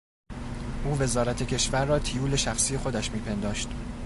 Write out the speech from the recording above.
او وزارت کشور را تیول شخصی خودش میپنداشت.